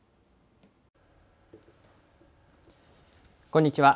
こんにちは。